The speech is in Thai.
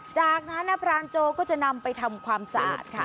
จากนั้นพรานโจก็จะนำไปทำความสะอาดค่ะ